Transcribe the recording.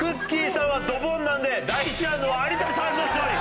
さんはドボンなんで第１ラウンドは有田さんの勝利！